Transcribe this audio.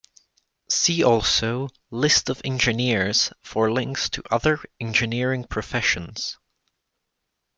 See also List of engineers for links to other engineering professions.